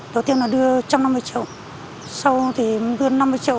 đầu tiên là đưa một trăm năm mươi triệu sau thì đưa năm mươi triệu